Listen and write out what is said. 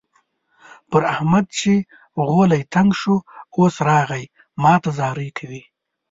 پر احمد چې غولی تنګ شو؛ اوس راغی ما ته زارۍ کوي.